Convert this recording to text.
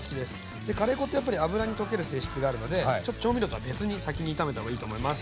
カレー粉ってやっぱり油に溶ける性質があるのでちょっと調味料とは別に先に炒めた方がいいと思います。